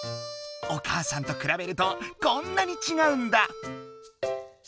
お母さんとくらべるとこんなにちがうんだ！